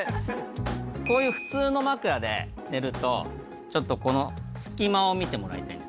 こういう普通の枕で寝るとちょっとこの隙間を見てもらいたいんですけど